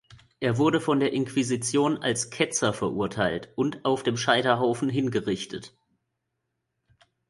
Er wurde von der Inquisition als Ketzer verurteilt und auf dem Scheiterhaufen hingerichtet.